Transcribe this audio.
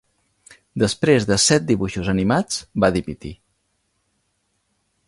Després de set dibuixos animats, va dimitir.